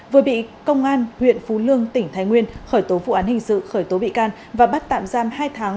vừa bị công an huyện phú lương tỉnh thái nguyên khởi tố vụ án hình sự khởi tố bị can và bắt tạm giam hai tháng